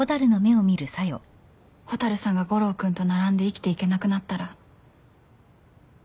蛍さんが悟郎君と並んで生きていけなくなったら。